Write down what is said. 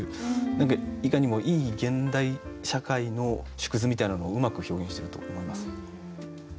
何かいかにもいい現代社会の縮図みたいなのをうまく表現してると思います。